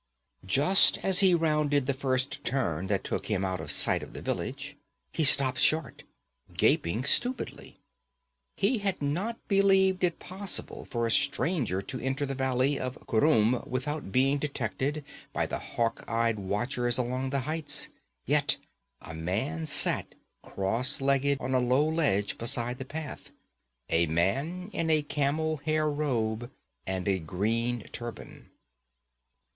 Just as he rounded the first turn that took him out of sight of the village, he stopped short, gaping stupidly. He had not believed it possible for a stranger to enter the valley of Khurum without being detected by the hawk eyed watchers along the heights; yet a man sat cross legged on a low ledge beside the path a man in a camel hair robe and a green turban.